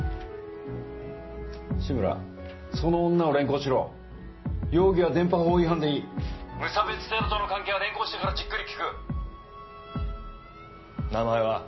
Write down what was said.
志村その女を連行しろ容疑は電波法違反でいい無差別テロとの関係は連行してからじっくり聴く名前は？